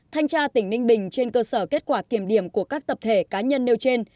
thanh tra tỉnh ninh bình trên cơ sở kết quả kiểm điểm của các tập thể cá nhân nêu trên